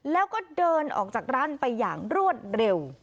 แล้วก็เดินออกจากร้านไปอย่างรวดเร็ว